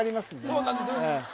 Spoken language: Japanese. そうなんですよね